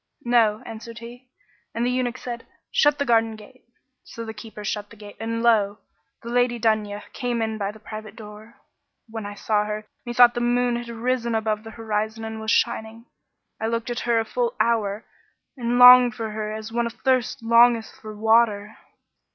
'No,' answered he; and the eunuch said, 'Shut the garden gate.' So the keeper shut the gate, and lo! the Lady Dunya came in by the private door. When I saw her, methought the moon had risen above the horizon and was shining; I looked at her a full hour and longed for her as one athirst longeth for water.